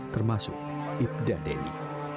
termasuk ibda deni